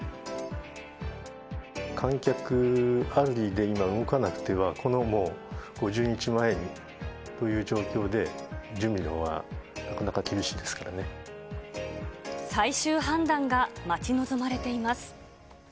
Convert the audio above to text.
観客ありで今動かなくては、このもう５０日前という状況で準備のほうがなかなか厳しいですか最終判断が待ち望まれています。